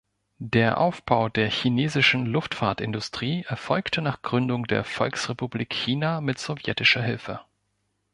Der Aufbau der chinesischen Luftfahrtindustrie erfolgte nach Gründung der Volksrepublik China mit sowjetischer Hilfe.